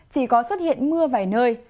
chỉ có xuất hiện mưa vài nơi